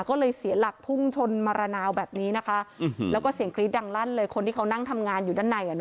ก็เลยเสียหลักพุ่งชนมาระนาวแบบนี้นะคะแล้วก็เสียงกรี๊ดดังลั่นเลยคนที่เขานั่งทำงานอยู่ด้านใน